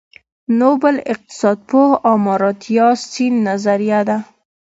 نوبل اقتصادپوه آمارتیا سېن نظريه ده.